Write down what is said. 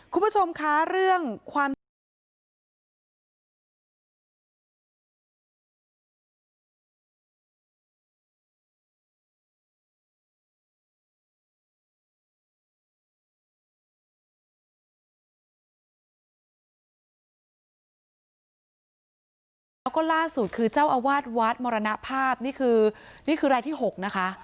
คุณผู้ชมคะเรื่องความทรงจริงของเจ้าอาวาสวัสดิ์มรณภาพนี่คือรายที่๖นะคะ